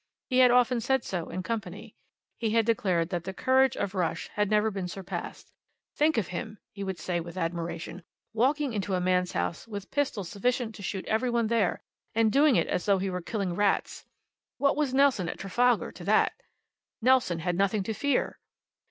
He had often said so in company. He had declared that the courage of Rush had never been surpassed. "Think of him," he would say with admiration, "walking into a man's house, with pistols sufficient to shoot every one there, and doing it as though he were killing rats! What was Nelson at Trafalgar to that? Nelson had nothing to fear!"